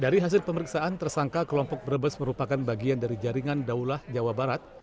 dari hasil pemeriksaan tersangka kelompok brebes merupakan bagian dari jaringan daulah jawa barat